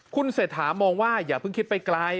คุณเศรษฐามองว่าอย่าเพิ่งคิดไปไกล